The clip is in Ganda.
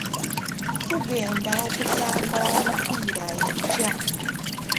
Tugenda okusamba omupiira enkya.